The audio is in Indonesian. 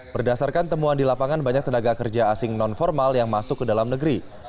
berdasarkan temuan di lapangan banyak tenaga kerja asing non formal yang masuk ke dalam negeri